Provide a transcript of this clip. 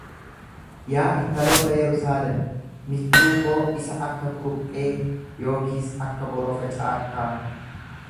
Yaa intaloota Yerusaalem, michuu koo isa akka kuruphee yookiis akka borofa caakkaa,